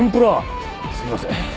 すいません。